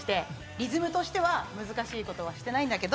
リズムとしては難しいことはしてないんだけど。